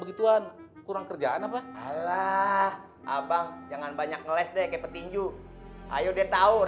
begituan kurang kerjaan apa alah abang jangan banyak ngeles deh kayak petinju ayo deh tau